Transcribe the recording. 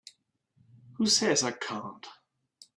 Who says I can't?